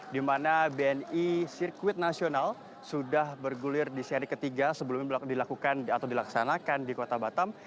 di mana bni sirkuit nasional sudah bergulir di seri ketiga sebelum dilakukan atau dilaksanakan di kota batam